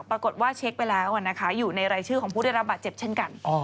ปรากฏว่าเช็คไปแล้วอยู่ในรายชื่อของผู้ได้รับบาดเจ็บเช่นกัน